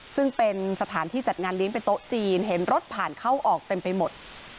ซึ่งเป็นสถานที่จัดงานเลี้ยงเป็นโต๊ะจีนเห็นรถผ่านเข้าออกเต็มไปหมด